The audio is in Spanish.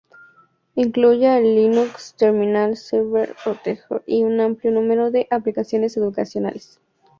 Incluye al Linux Terminal Server Project y un amplio número de aplicaciones educacionales.